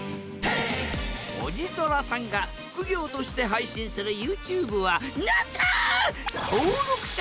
おじとらさんが副業として配信するＹｏｕＴｕｂｅはなんと！